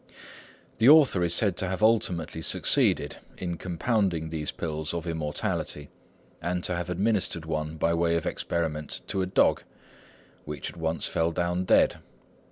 The author is said to have ultimately succeeded in compounding these pills of immortality, and to have administered one by way of experiment to a dog, which at once fell down dead.